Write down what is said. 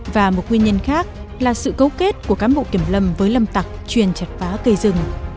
và một nguyên nhân khác là sự cấu kết của cán bộ kiểm lâm với lâm tặc truyền chặt phá cây rừng